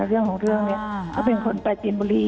เรื่องของเรื่องนี้เขาเป็นคนปลาจีนบุรี